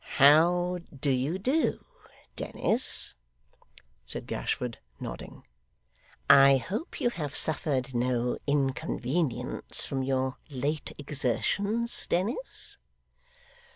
'How do you do, Dennis?' said Gashford, nodding. 'I hope you have suffered no inconvenience from your late exertions, Dennis?